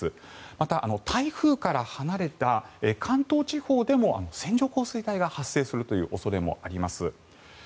また、台風から離れた関東地方でも線状降水帯が発生するという恐れもあります。